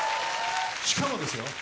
しかもですよ。